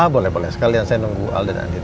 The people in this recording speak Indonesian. boleh boleh sekalian saya nunggu al dan andin